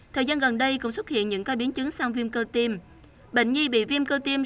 thời gian gần đây cũng xuất hiện những ca biến chứng sang viêm cơ tim bệnh nhi bị viêm cơ tim